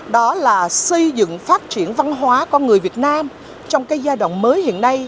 đó là xây dựng phát triển văn hóa con người việt nam trong cái giai đoạn mới hiện nay